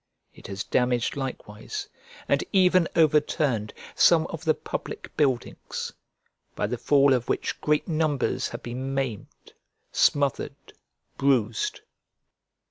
It has damaged likewise, and even overturned, some of the public buildings, by the fall of which great numbers have been maimed, smothered, bruised.